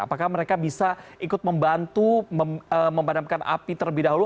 apakah mereka bisa ikut membantu memadamkan api terlebih dahulu